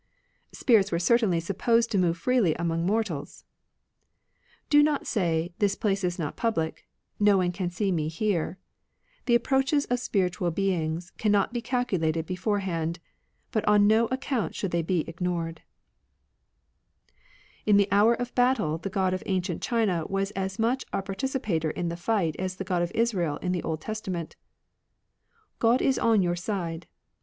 Spirits were certainly supposed to move freely among mortals :— Do not say, This place is not public ; No one can see me here. The approaches of spiritual Beings Ccuinot be calculated beforehand ; But on no account should they be ignored. ancient China was as much a partici pator in the fight as the God of Israel in the Old Testament :— God is on your side